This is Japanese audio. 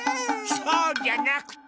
そうじゃなくて！